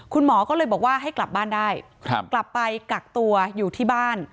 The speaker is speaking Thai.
คุณหมอก็เลยบอกว่าให้กลับบ้านได้กลับไปกักตัวอยู่ที่บ้าน